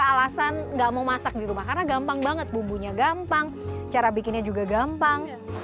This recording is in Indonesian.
alasan nggak mau masak di rumah karena gampang banget bumbunya gampang cara bikinnya juga gampang